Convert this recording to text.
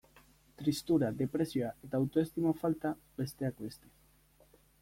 Tristura, depresioa eta autoestimu falta, besteak beste.